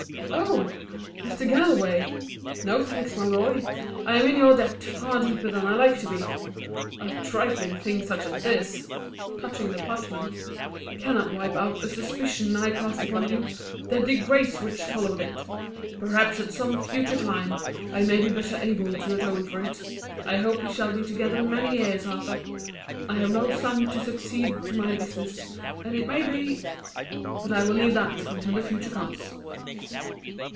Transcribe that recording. "Oh! Mr. Galloway " "No thanks, my boy. I am in your debt far deeper than I like to be! A trifling thing such as this" touching the parchment "cannot wipe out the suspicion I cast upon you, the disgrace which followed it. Perhaps at some future time, I may be better able to atone for it. I hope we shall be together many years, Arthur. I have no son to succeed to my business, and it may be But I will leave that until the future comes."